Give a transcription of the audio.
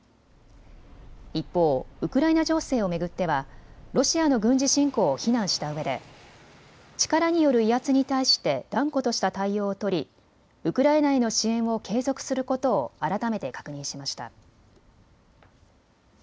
一方、ウクライナ情勢を巡ってはロシアの軍事侵攻を非難したうえで力による威圧に対して断固とした対応を取りウクライナへの支援を継続することを改めて確認しました。